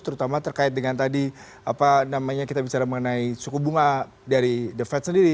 terutama terkait dengan tadi apa namanya kita bicara mengenai suku bunga dari the fed sendiri